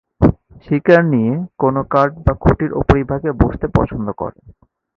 শিকার নিয়ে কোন কাঠ বা খুঁটির উপরিভাগে বসতে পছন্দ করে।